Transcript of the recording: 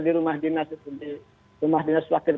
di rumah dinas itu di rumah dinas wakil